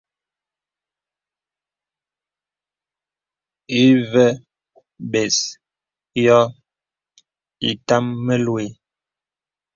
Ìvə bə̀s yɔ̄ɔ̄ ìtàm məluə̀.